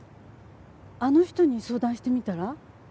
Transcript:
あの人に相談してみたら？